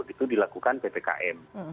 itu dilakukan ppkm